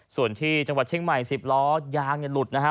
ส่วนที่จังหวัดเชียงใหม่๑๐ล้อยางเนี่ยหลุดนะฮะ